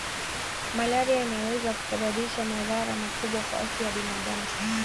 Malaria inaweza kusababisha madhara makubwa kwa afya ya binadamu